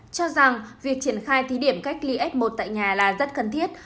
cho rằng việc triển khai thí điểm cách ly f một tại nhà là rất cần thiết